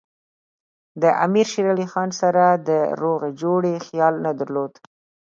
د امیر شېر علي خان سره د روغې جوړې خیال نه درلود.